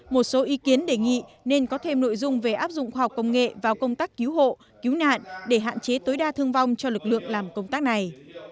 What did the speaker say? một số ý kiến đề nghị nên có thêm nội dung về áp dụng khoa học công nghệ vào công tác cứu hộ cứu nạn để hạn chế tối đa thương vong cho lực lượng làm công tác này